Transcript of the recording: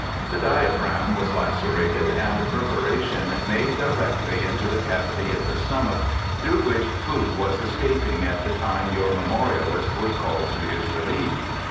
The diaphragm was lacerated, and a perforation made directly mto the cavity of the stomach, through which food was escaping at the time your memorialist was called to his relief.